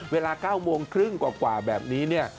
เวลา๙โมงครึ่งกว่าแบบนี้เนี่ย